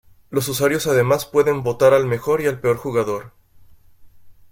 Los usuarios además pueden votar al mejor y al peor jugador.